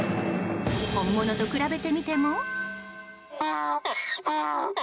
本物と比べてみても。